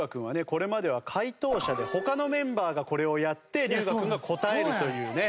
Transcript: これまでは解答者で他のメンバーがこれをやって龍我君が答えるというね。